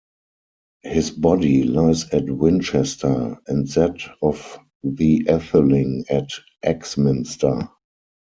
His body lies at Winchester, and that of the etheling at Axminster.